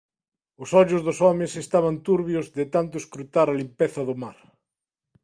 Os ollos dos homes estaban turbios de tanto escruta-la limpeza do mar.